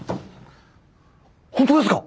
本当ですか？